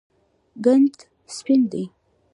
کنجد سپین دي.